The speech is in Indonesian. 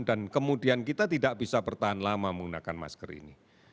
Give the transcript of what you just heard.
dan kemudian kita tidak bisa bertahan lama menggunakan masker ini